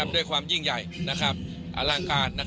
ด้วยความยิ่งใหญ่อลังการ